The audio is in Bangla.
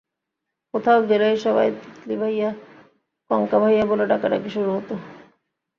কোথাও গেলেই সবাই তিতলি ভাইয়া, কঙ্কা ভাইয়া বলে ডাকাডাকি শুরু হতো।